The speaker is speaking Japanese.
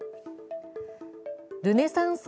ルネサンス